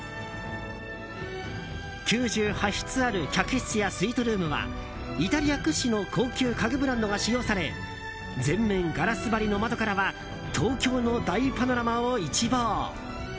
９８室ある客室やスイートルームはイタリア屈指の高級家具ブランドが使用され全面ガラス張りの窓からは東京の大パノラマを一望。